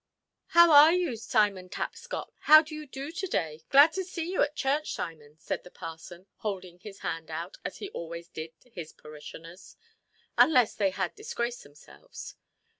"How are you, Simon Tapscott? How do you do to–day? Glad to see you at church, Simon", said the parson, holding his hand out, as he always did to his parishioners, unless they had disgraced themselves.